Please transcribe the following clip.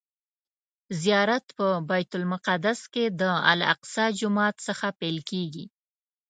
زیارت په بیت المقدس کې د الاقصی جومات څخه پیل کیږي.